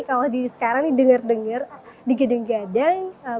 kalau sekarang dengar dengar di gedung gedang